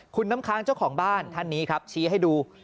คุณน้ำค้างเจ้าของบ้านท่านนี้ครับชี้ให้ดู